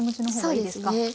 そうですね。